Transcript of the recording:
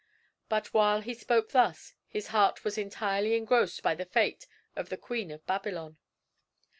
But while he spoke thus, his heart was entirely engrossed by the fate of the Queen of Babylon.